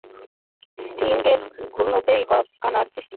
স্ট্রিংয়ের ঘূর্ণনেই কণার সৃষ্টি।